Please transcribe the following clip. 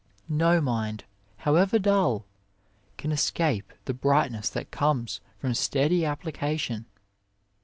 No mind however dull can escape the brightness that comes from steady application.